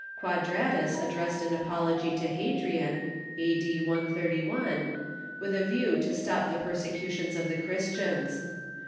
Quadratus addressed an apology to Hadrian (a.d. 131), with a view to stop the persecutions of the Christians.